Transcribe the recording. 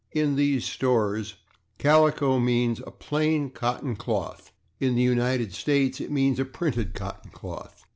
In these stores /calico/ means a plain cotton cloth; in the United States it means a printed cotton cloth.